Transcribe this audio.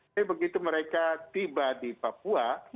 tapi begitu mereka tiba di papua